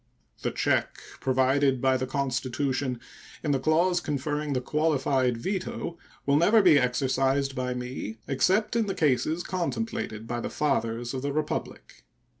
The check provided by the Constitution in the clause conferring the qualified veto will never be exercised by me except in the cases contemplated by the fathers of the Republic.